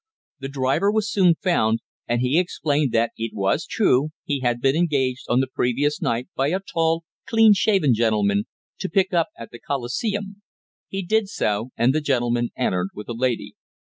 The driver was soon found, and he explained that it was true he had been engaged on the previous night by a tall, clean shaven gentleman to pick up at the Coliseum. He did so, and the gentleman entered with a lady.